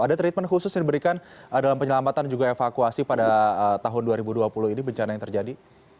ada treatment khusus yang diberikan dalam penyelamatan juga evakuasi pada tahun dua ribu dua puluh ini bencana yang terjadi